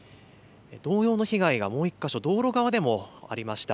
同様の被害がもう１か所、道路側でもありました。